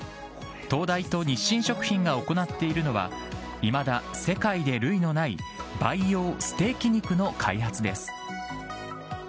東大と日清食品が行っているのは、いまだ世界で類のない培養ステーキ肉の開発です。